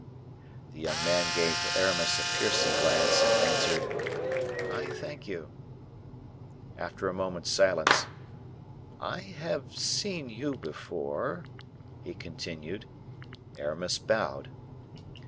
The young man gave Aramis a piercing glance, and answered, "I thank you." After a moment's silence, "I have seen you before," he continued. Aramis bowed.